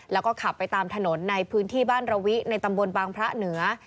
แล้วก็ขับไปตามถนนในพื้นที่บ้านระวิในตำบลบางพระเหนือ